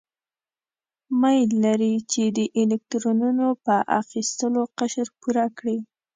میل لري چې د الکترونو په اخیستلو قشر پوره کړي.